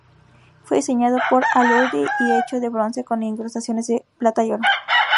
Fue diseñado por al-Urdi y hecho de bronce, con incrustaciones de plata y oro.